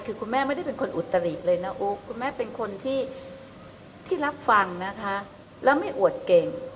คือคุณแม่ไม่ได้เป็นคนอุตริเลยนะอุ๊กคุณแม่เป็นคนที่รับฟังนะคะแล้วไม่อวดเก่ง